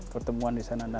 pertemuan di sana